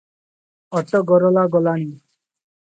ଅଟଗରଲା ଗଲାଣି?